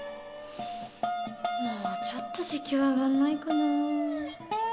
もうちょっと時給上がんないかなぁ。